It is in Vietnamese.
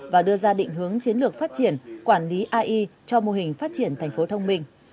và đưa ra định hướng chiến lược phát triển quản lý ai cho mô hình phát triển thành phố thông minh